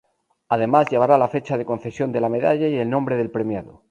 Además, llevará la fecha de concesión de la medalla y el nombre del premiado.